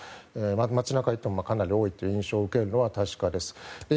街中に行っても多いという印象を受けるのは確かです。